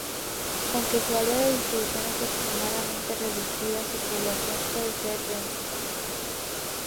Aunque su área de distribución es extremadamente reducida su población puede ser densa.